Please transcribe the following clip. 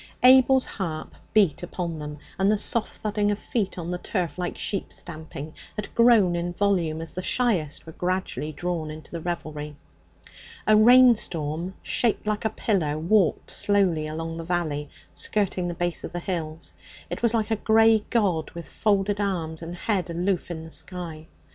Abel's harp beat upon them, and the soft thudding of feet on the turf, like sheep stamping, had grown in volume as the shyest were gradually drawn into the revelry. A rainstorm, shaped like a pillar, walked slowly along the valley, skirting the base of the hills. It was like a grey god with folded arms and head aloof in the sky.